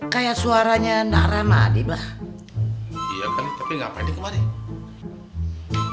kaya suaranya naramadi bah iya kan tapi ngapain sih